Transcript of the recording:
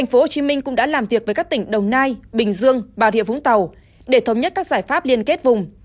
tp hcm cũng đã làm việc với các tỉnh đồng nai bình dương bà rịa vũng tàu để thống nhất các giải pháp liên kết vùng